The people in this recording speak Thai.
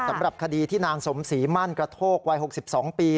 สำหรับคดีที่นางสมศรีมั่นกระโทกวัย๖๒ปี